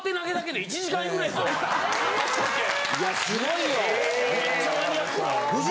いやすごいよ。